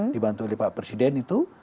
dibantu oleh pak presiden itu